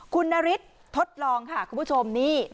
คุณนฤทธิทดลองค่ะคุณผู้ชมนี่